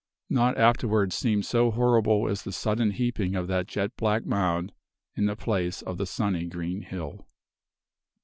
Naught afterwards seemed so horrible as the sudden heaping of that jet black mound in the place of the sunny, green hill.